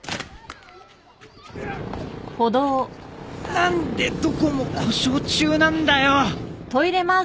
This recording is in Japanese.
何でどこも故障中なんだよ！